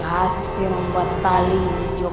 eh apaan tuh